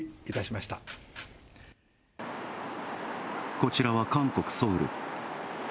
こちらは、韓国・ソウル。